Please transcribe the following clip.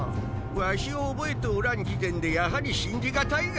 わしを覚えておらん時点でやはり信じ難いが。